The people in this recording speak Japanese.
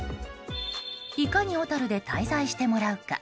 いかに小樽で滞在してもらうか。